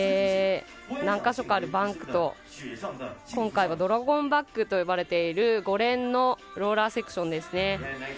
何か所かあるバンクと、今回はドラゴンバンクと呼ばれている５連のローラーセクションですね。